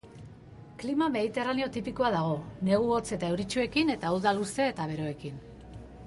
Klima mediterraneo tipikoa dago, negu hotz eta euritsuekin eta uda luze eta beroekin.